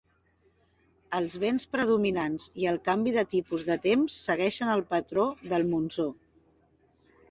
Els vents predominants i el canvi de tipus de temps segueixen el patró del monsó.